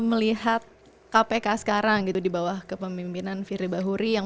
melihat kpk sekarang gitu di bawah kepemimpinan firdy bahuri yang melanggar adrt saya bilang